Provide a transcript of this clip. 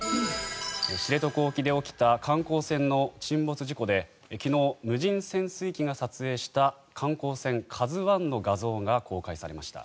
知床沖で起きた観光船の沈没事故で昨日、無人潜水機が撮影した観光船「ＫＡＺＵ１」の画像が公開されました。